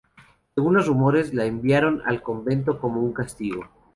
Según los rumores, la enviaron al convento como un castigo.